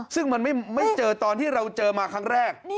ซึ่งมันไม่เจอตอนที่เราเจอมาครั้งแรก